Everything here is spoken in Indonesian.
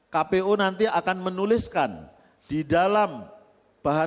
kpu nanti akan menuliskan di dalam bahan bahan yang ada di dalam pasangan calon